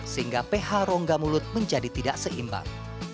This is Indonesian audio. sehingga ph rongga mulut menjadi tidak seimbang